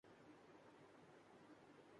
آپ طویل عرصہ سے سیاحت کے بعدواپس شیراز آگئے-